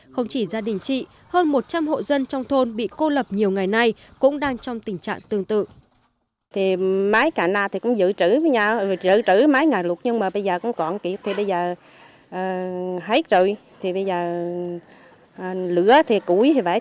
không chỉ gia đình chị hơn một trăm linh hộ dân trong thôn bị cô lập nhiều ngày nay cũng đang trong tình trạng tương tự